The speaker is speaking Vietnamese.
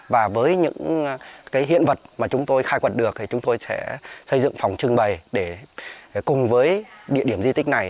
và với những hiện vật mà chúng tôi khai quật được thì chúng tôi sẽ xây dựng phòng trưng bày để cùng với địa điểm di tích này